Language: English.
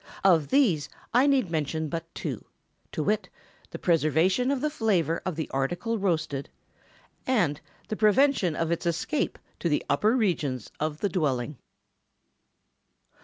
Of these I need mention but two, to wit, the preservation of the flavor of the article roasted, and the prevention of its escape to the upper regions of the dwelling.